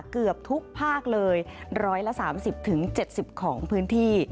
เกือบทุกภาคเลย๑๓๐๗๐ของพื้นที่